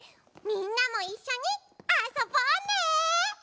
みんなもいっしょにあそぼうね。